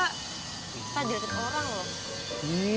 kita dipikir orang